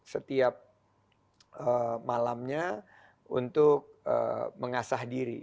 setiap malamnya untuk mengasah diri